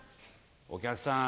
お客さん